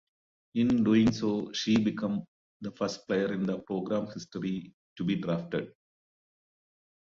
In doing so she became the first player in program history to be drafted.